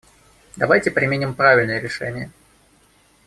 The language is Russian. Давайте примем правильное решение.